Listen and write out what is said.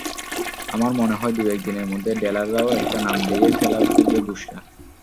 আমার মনে হয়, দু-এক দিনের মধ্যে ডেলারও একটা নাম দিয়ে ফেলবে বুশরা।